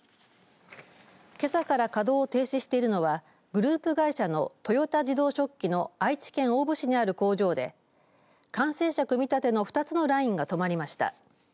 けさから稼働を停止しているのはグループ会社の豊田自動織機の愛知県豊田市にある工場で完成車組み立ての２つのラインが止まりました。